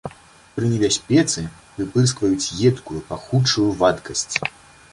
Пры небяспецы выпырскваюць едкую, пахучую вадкасць.